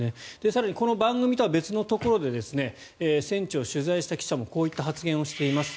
更にこの番組とは別のところで戦地を取材した記者もこういった発言をしています。